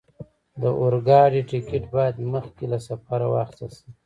د اورګاډي ټکټ باید مخکې له سفره واخستل شي.